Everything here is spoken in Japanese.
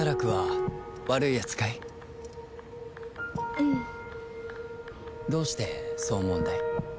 うん。どうしてそう思うんだい？